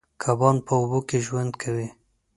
کبان په اوبو کې ژوند کوي.